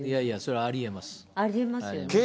ありえますよね。